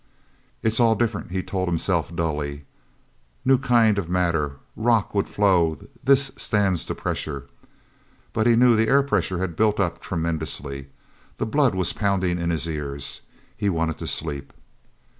"It's all different," he told himself dully, "new kind of matter. Rock would flow; this stands the pressure." But he knew the air pressure had built up tremendously. The blood was pounding in his ears. He wanted to sleep.